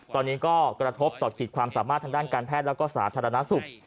ตอนนี้ก็กระทบต่อขีดความสามารถทางด้านการแพทย์แล้วก็สาธารณสุข